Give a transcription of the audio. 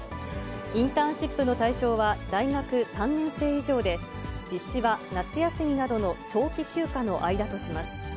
インターンシップの対象は大学３年生以上で、実施は夏休みなどの長期休暇の間とします。